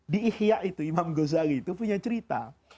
di ihya itu imam ghazali itu punya cerita